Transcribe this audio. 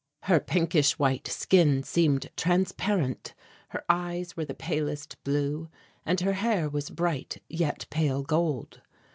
Her pinkish white skin seemed transparent, her eyes were the palest blue and her hair was bright yet pale gold.